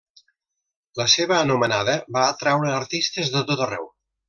La seva anomenada va atreure artistes de tot arreu.